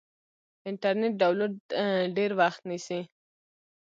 انټرنیټ ډاونلوډ ډېر وخت نیسي.